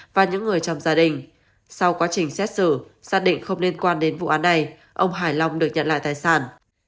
và những người trong gia đình sau quá trình xét xử xác định không liên quan đến vụ án này ông hải long được nhận lại tài sản